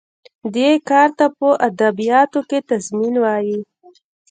دې کار ته په ادبیاتو کې تضمین وايي.